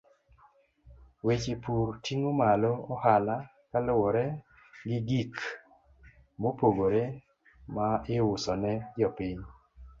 Weche pur ting'o malo ohala kaluwore gi gik mopogore ma iuso ne jopiny.